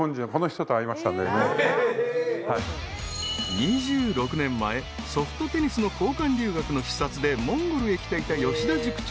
［２６年前ソフトテニスの交換留学の視察でモンゴルへ来ていた吉田塾長］